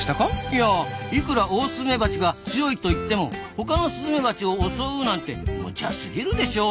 いやいくらオオスズメバチが強いといってもほかのスズメバチを襲うなんてむちゃすぎるでしょ。